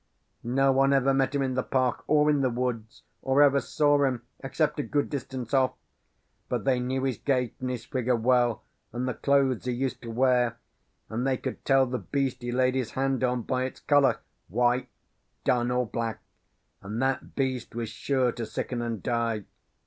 "No one ever met him in the park, or in the woods, or ever saw him, except a good distance off. But they knew his gait and his figure well, and the clothes he used to wear; and they could tell the beast he laid his hand on by its colour white, dun, or black; and that beast was sure to sicken and die.